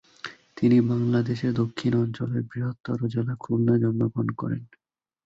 তিনি বাংলাদেশের দক্ষিণ অঞ্চলের বৃহত্তর জেলা খুলনায় জন্মগ্রহণ করেন।